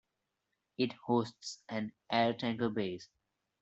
It hosts an air tanker base.